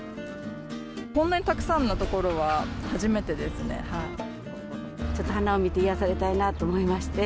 こんなにたくさんの所は初めちょっと花を見て、癒やされたいなと思いまして。